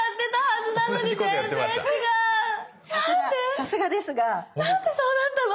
さすがですが。何でそうなったの？